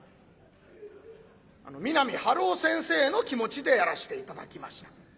あの三波春夫先生の気持ちでやらして頂きました。